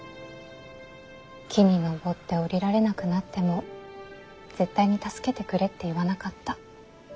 木に登って下りられなくなっても絶対に助けてくれって言わなかった。